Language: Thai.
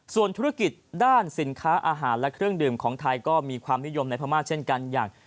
ส่วนธุรกิจด้านสินค้าอาหารและเครื่องดื่มของไทยก็มีความนิยมในพม่าเช่นกันอย่าง